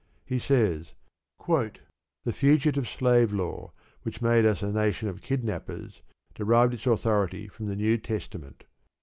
He says: The Fugitive Slave law, which made us a nation of kidnappers, derived its authority from the New Testament.